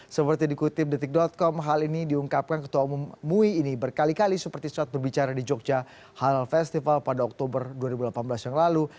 seperti dikutip detik com hal ini diungkapkan ketua umum mui ini berkali kali seperti saat berbicara di jogja halal festival pada oktober dua ribu delapan belas yang lalu